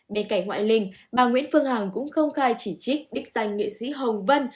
bên cạnh ngoại linh bà nguyễn phương hằng cũng không khai chỉ trích đích danh nghệ sĩ hồng vân